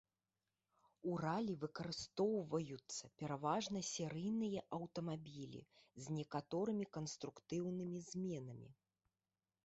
У ралі выкарыстоўваюцца пераважна серыйныя аўтамабілі з некаторымі канструктыўнымі зменамі.